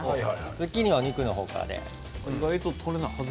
ズッキーニはお肉の方から。